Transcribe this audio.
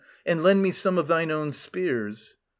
And lend me some of thine own spears.